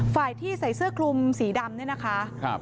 ฝ่ายที่ใส่เสื้อคลุมสีดำเนี่ยนะคะ